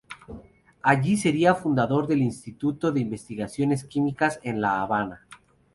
Allí sería fundador del Instituto de Investigaciones Químicas, en La Habana.